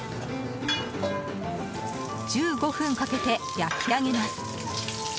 １５分かけて焼き上げます。